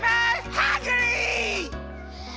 ハングリー！